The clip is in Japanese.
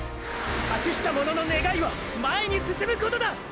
託した者の願いは前に進むことだ！！